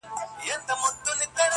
ه یاره دا زه څه اورمه، څه وینمه.